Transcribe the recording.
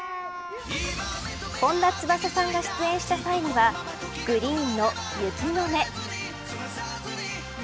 本田翼さんが出演した際にはＧＲｅｅｅｅＮの雪の音。